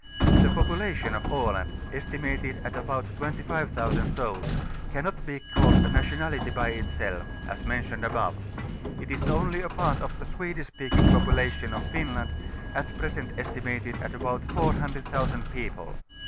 The population of Aland, estimated at about 25,000 souls, cannot be called a nationality bj^ itself, as mentioned above; it is only a part of the Swedish speaking population of Finland, at present estimated at about 400,000 people.